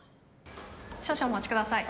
少々お待ちください。